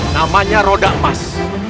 namanya roda emas